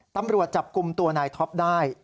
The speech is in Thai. ตำรวจจับกลุ่มตัวนายท็อปได้